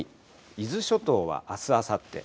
伊豆諸島はあす、あさって。